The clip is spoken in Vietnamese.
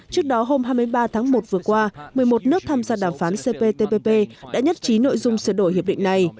trước đó hôm hai mươi ba tháng một vừa qua một mươi một nước tham gia đàm phán cptpp đã nhất trí nội dung sửa đổi hiệp định này